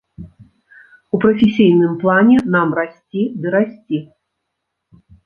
У прафесійным плане нам расці ды расці.